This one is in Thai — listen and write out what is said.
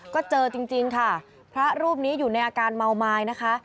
ก็เจอจริงค่ะพระรูปนี้อยู่ในอาการเมาไม้นะคะ